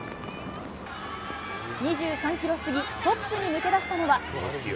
２３キロ過ぎ、トップに抜け出したのは。